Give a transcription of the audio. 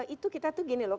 itu kita tuh gini loh